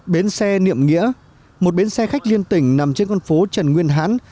bến xe niệm nghĩa một bến xe khách liên tỉnh nằm trên con phố trần nguyên hán